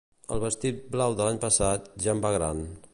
El vestit blau de l'any passat ja em va gran